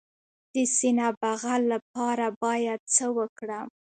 د سینه بغل لپاره باید څه وکړم؟